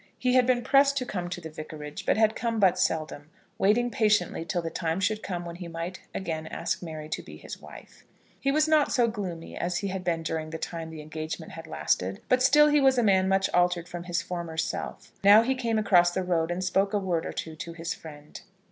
He had been pressed to come to the Vicarage, but had come but seldom, waiting patiently till the time should come when he might again ask Mary to be his wife. He was not so gloomy as he had been during the time the engagement had lasted, but still he was a man much altered from his former self. Now he came across the road, and spoke a word or two to his friend.